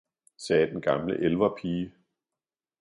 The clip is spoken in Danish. sagde den gamle elverpige.